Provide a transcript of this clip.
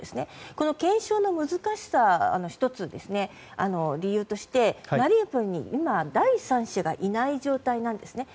この検証の難しさの理由としてマリウポリに第三者がいない状態なんですね。